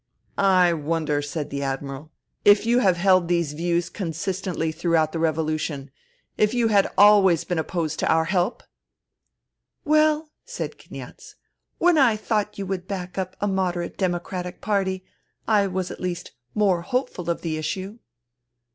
" I wonder," said the Admiral, " if you have 216 FUTILITY held these views consistently throughout the revo lution, if you had always been opposed to our help ?"'* Well," said Kniaz, " when I thought you would back up a moderate democratic party I was at least more hopeful of the issue."